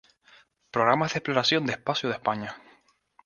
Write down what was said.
Programas de Exploración de Espacio de España.